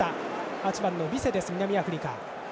８番のビセ、南アフリカ。